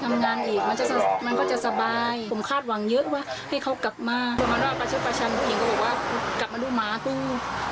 พอมาร่าประชุปประชันผู้หญิงก็บอกว่ากลับมาดูหมาคู่